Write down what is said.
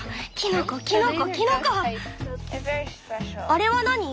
あれは何？